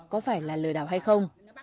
có phải là lừa đảo hay không